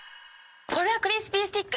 これはクリスピースティック。